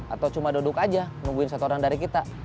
atau cuma duduk aja nungguin satu orang dari kita